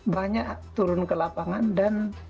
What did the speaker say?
banyak turun ke lapangan dan